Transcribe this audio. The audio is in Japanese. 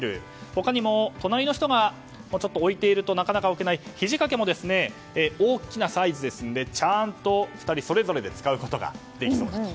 他にも、隣の人が置いているとなかなか置けないひじ掛けも大きなサイズですのでちゃんと２人それぞれで使うことができそうだと。